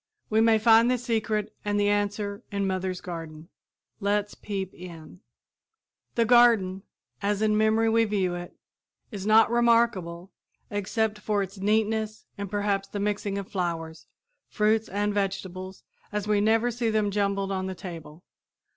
We may find the secret and the answer in mother's garden. Let's peep in. The garden, as in memory we view it, is not remarkable except for its neatness and perhaps the mixing of flowers, fruits and vegetables as we never see them jumbled on the table.